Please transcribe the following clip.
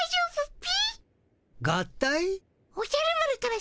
ピ？